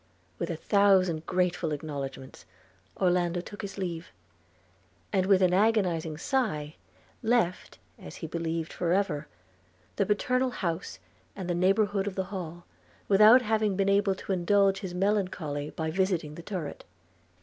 With a thousand grateful acknowledgments Orlando took his leave; and with an agonizing sigh left, as he believed for ever, the paternal house and the neighbourhood of the Hall, without having been able to indulge his melancholy by visiting the turret.